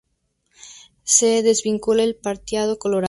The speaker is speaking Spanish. Se desvincula del Partido Colorado.